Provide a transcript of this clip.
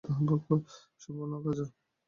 সম্পূর্ণ কাঁচা।